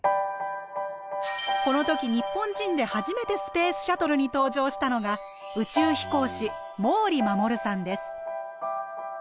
この時日本人で初めてスペースシャトルに搭乗したのが宇宙飛行士毛利衛さんです。